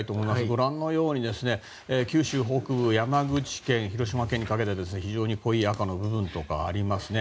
ご覧のように、九州北部、山口県広島県にかけて非常に濃い赤の部分がありますね。